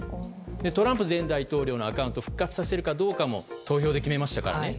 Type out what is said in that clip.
トランプ前大統領のアカウントを復活させるかどうかも投票で決めましたので。